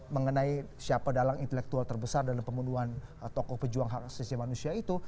mengenai siapa dalang intelektual terbesar dalam pembunuhan tokoh pejuang hak asasi manusia itu